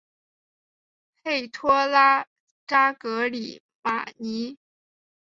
佩托拉扎格里马尼。